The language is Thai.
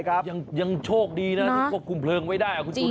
จริงยังโชคดีควบคุมไพลงไว้ได้